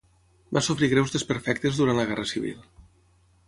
Va sofrir greus desperfectes durant la Guerra Civil.